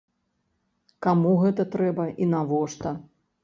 Каму гэта трэба і навошта?